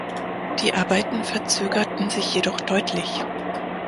Die Arbeiten verzögerten sich jedoch deutlich.